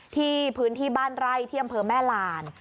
ที่พื้นที่บ้านไร่ที่อำเภอแม่ลาน